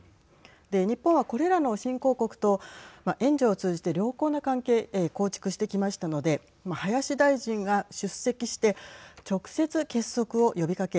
日本は、これらの新興国と援助を通じて良好な関係構築してきましたので林大臣が出席して直接結束を呼びかけ